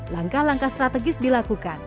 langkah langkah strategis dilakukan